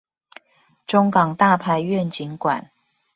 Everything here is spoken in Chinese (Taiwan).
中港大排願景館